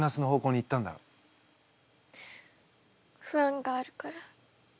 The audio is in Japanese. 不安があるから。